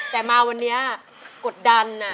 แต่มาวันนี้กดดัน